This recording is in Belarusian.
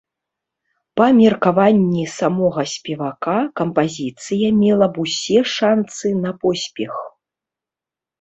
Па меркаванні самога спевака, кампазіцыя мела б усе шанцы на поспех.